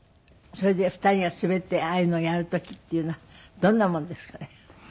それで２人が滑ってああいうのをやる時っていうのはどんなものですかね？